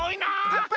パパ！